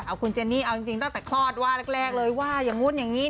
เอาจริงตั้งแต่คลอดว่าแรกเลยว่าอย่างนู้นอย่างนี้